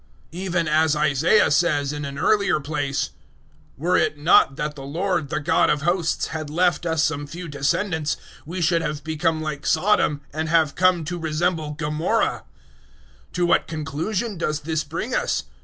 009:029 Even as Isaiah says in an earlier place, "Were it not that the Lord, the God of Hosts, had left us some few descendants, we should have become like Sodom, and have come to resemble Gomorrah." 009:030 To what conclusion does this bring us?